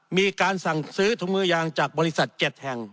มีการสั่งซื้อถุงมือยางจากบริษัท๗แห่ง